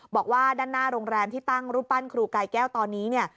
บอกว่าด้านหน้าโรงแรมที่ตั้งรูปปั้นครูกายแก้วตอนนี้เนี่ย